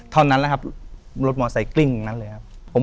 เท่านั้นแหละครับรถมอไซคลิ้งตรงนั้นเลยครับ